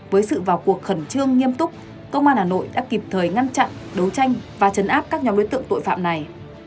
với sự vào cuộc khẩn trương nghiêm túc công an hà nội đã kịp thời ngăn chặn đấu tranh và chấn áp các nhóm đối tượng tội phạm này